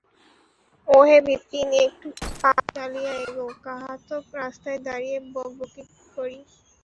ওহে বিপিন, একটু পা চালিয়ে এগোও– কাঁহাতক রাস্তায় দাঁড়িয়ে বকাবকি করি?